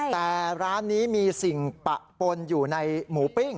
แต่ร้านนี้มีสิ่งปะปนอยู่ในหมูปิ้ง